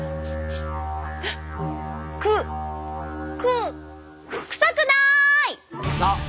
くくくさくない！